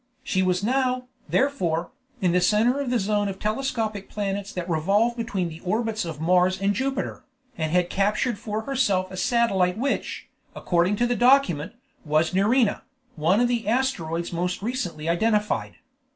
She was now, therefore, in the center of the zone of telescopic planets that revolve between the orbits of Mars and Jupiter, and had captured for herself a satellite which, according to the document, was Nerina, one of the asteroids most recently identified.